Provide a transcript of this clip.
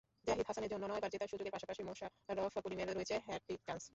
জাহিদ হাসানের জন্য নয়বার জেতার সুযোগের পাশাপাশি মোশাররফ করিমের রয়েছে হ্যাটট্রিক চান্স।